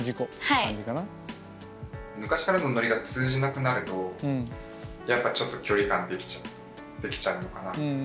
昔からのノリが通じなくなるとやっぱちょっと距離感できちゃうのかなみたいな。